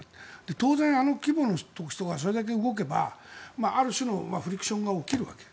当然、あの規模の人がそれだけ動けばある種のフリクションが起きるわけ。